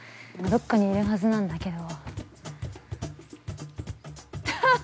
どこかにいるはずなんだけど。